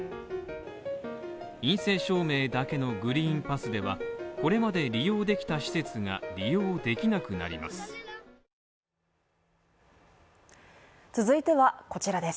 陰性証明だけのグリーンパスでは、これまで利用できた施設が利用できなくなります。